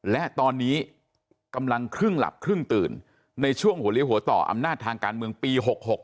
และตอนนี้กำลังครึ่งหลับครึ่งตื่นในช่วงหัวเลี้ยหัวต่ออำนาจทางการเมืองปี๖๖